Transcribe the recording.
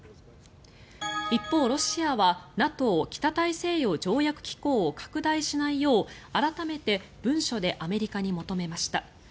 一方、ロシアはＮＡＴＯ・北大西洋条約機構を拡大しないよう、改めて文書でアメリカに求めました。